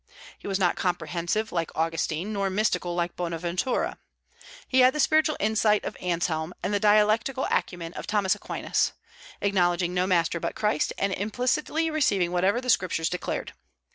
He was not comprehensive like Augustine, nor mystical like Bonaventura. He had the spiritual insight of Anselm, and the dialectical acumen of Thomas Aquinas; acknowledging no master but Christ, and implicitly receiving whatever the Scriptures declared.